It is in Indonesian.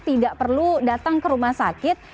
tidak perlu datang ke rumah sakit